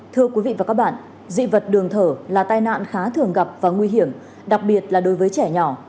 thưa quý vị và các bạn dị vật đường thở là tai nạn khá thường gặp và nguy hiểm đặc biệt là đối với trẻ nhỏ